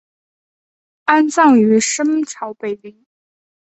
安葬于深草北陵。